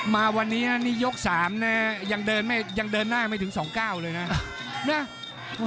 มาวันนี้นี่ยก๓นะยังเดินหน้าไม่ถึง๒๙เลยนะ